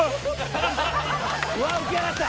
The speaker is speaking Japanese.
うわっ浮き上がった。